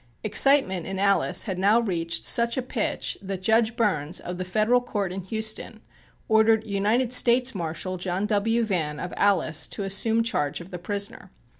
Excitement in Alice had now reached such a pitch that Judge Burns, of the Federal Court, in Houston, ordered United States Marshal John W. Vann, of Alice, to assume charge of the prisoner.